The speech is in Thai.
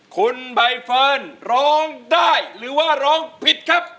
คุณใบเฟิร์นร้องได้หรือว่าร้องผิดครับ